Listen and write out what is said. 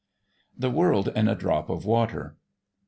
THE WORLD IN A DROP OF WATER.